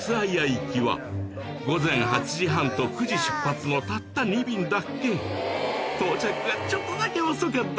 行きは午前８時半と９時出発のたった２便だけ到着がちょっとだけ遅かっ